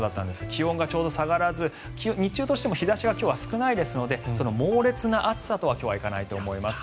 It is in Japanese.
気温がちょうど下がらず日中としても日差しが今日は少ないですので猛烈な暑さとは今日はいかないと思います。